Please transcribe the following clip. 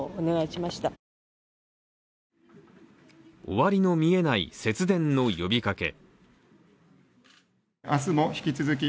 終わりの見えない、節電の呼びかけ。